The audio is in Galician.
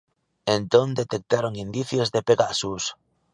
Entón detectaron indicios de 'Pegasus'.